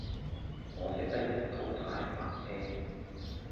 我識得一手軚泊車